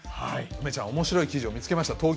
梅ちゃん、おもしろい記事を見つけました。